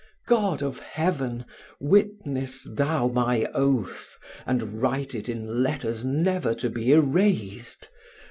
God of heaven! witness thou my oath, and write it in letters never to be erased!